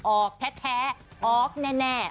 ออกแท้ออกแน่